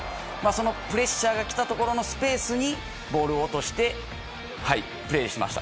そのプレッシャーが来たところのスペースにボールを落としてプレーしました。